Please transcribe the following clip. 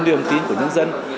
niềm tin của nhân dân